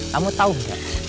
kamu tahu gak